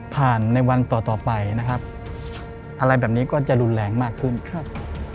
ในวันต่อต่อไปนะครับอะไรแบบนี้ก็จะรุนแรงมากขึ้นครับ